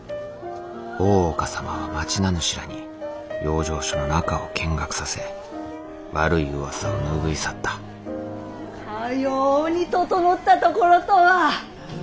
大岡様は町名主らに養生所の中を見学させ悪い噂を拭い去ったかように整ったところとは。